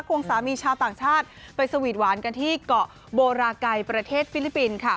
วงสามีชาวต่างชาติไปสวีทหวานกันที่เกาะโบราไกรประเทศฟิลิปปินส์ค่ะ